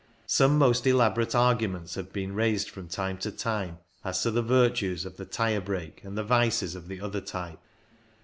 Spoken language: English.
Some most elaborate arguments have been raised from time to time as to the virtues of the tyre brake and the vices of the other type.